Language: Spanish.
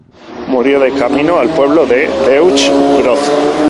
Murió de camino al pueblo de Deutsch Brod.